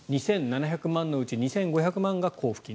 ２７００万円のうち２５００万円が交付金。